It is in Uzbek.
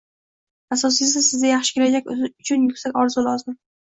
Asosiysi sizda yaxshi kelajak uchun yuksak orzu lozim.